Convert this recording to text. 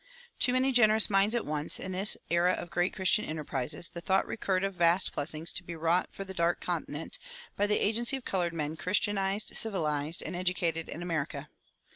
To many generous minds at once, in this era of great Christian enterprises, the thought recurred of vast blessings to be wrought for the Dark Continent by the agency of colored men Christianized, civilized, and educated in America.